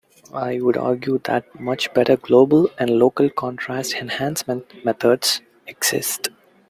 I would argue that much better global and local contrast enhancement methods exist.